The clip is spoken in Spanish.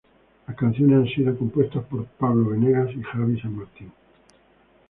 Las canciones han sido compuestas por Pablo Benegas y Xabi San Martín.